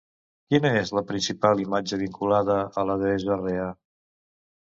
Quina és la principal imatge vinculada a la deessa Rea?